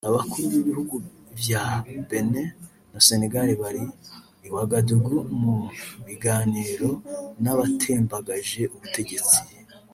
Abakuru b'ibihugu vya Benin na Senegal bari i Ouagadougou mu biganiro n'abatembagaje ubutegetsi